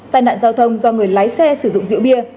tai nạn giao thông do người lái xe sử dụng rượu bia